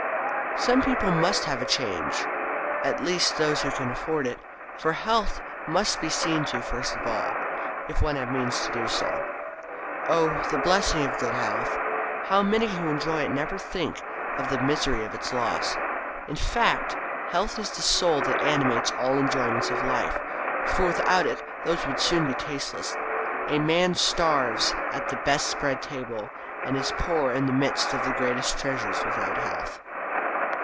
So people must have a change at least those who can afford it for health must be seen to first of all, if one has means to do so. Oh! the blessing of good health! How many who enjoy it never think of the misery of its loss! In fact, health is the soul that animates all enjoyments of life; for without it those would soon be tasteless. A man starves at the best spread table, and is poor in the midst of the greatest treasures without health.